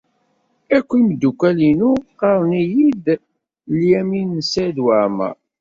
Akk imeddukal-inu ɣɣaren-iyi-d Lyamin n Saɛid Waɛmeṛ.